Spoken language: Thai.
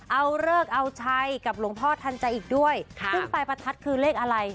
เอาเลิกเอาชัยกับหลวงพ่อทันใจอีกด้วยค่ะซึ่งปลายประทัดคือเลขอะไร